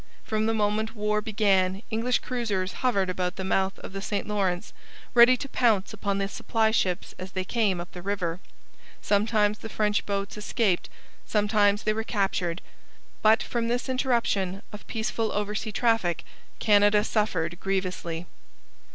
From the moment war began English cruisers hovered about the mouth of the St Lawrence, ready to pounce upon the supply ships as they came up the river. Sometimes the French boats escaped; sometimes they were captured; but from this interruption of peaceful oversea traffic Canada suffered grievously.